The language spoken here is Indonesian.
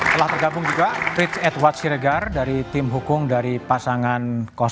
telah tergabung juga trick edward siregar dari tim hukum dari pasangan satu